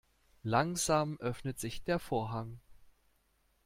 Langsam öffnet sich der Vorhang.